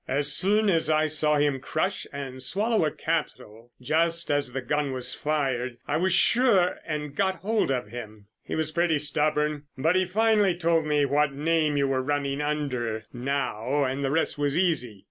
As soon as I saw him crush and swallow a capsule just as the gun was fired, I was sure, and got hold of him. He was pretty stubborn, but he finally told me what name you were running under now, and the rest was easy.